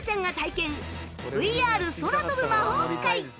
ＶＲ 空飛ぶ魔法使い